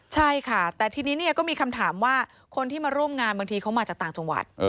ใช่ค่ะแต่ทีนี้ก็มีคำถามว่าคนที่มาร่วมงานบางทีเขามาจากต่างจังหวัด